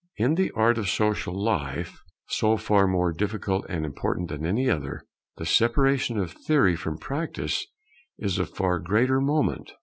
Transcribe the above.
In the art of Social Life, so far more difficult and important than any other, the separation of theory from practice is of far greater moment.